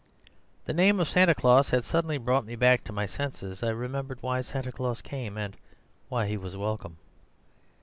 The name of Santa Claus had suddenly brought me back to my senses. I remembered why Santa Claus came, and why he was welcome.